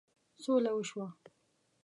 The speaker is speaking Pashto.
سوله وشوه.